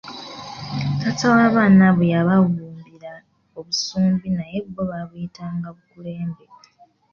Taata w'abaana abo yababumbira obusumbi naye bo baabuyitanga bukulembe.